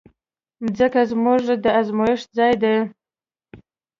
مځکه زموږ د ازمېښت ځای ده.